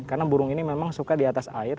karena burung ini memang suka di atas air